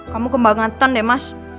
kamu kembang gantan deh mas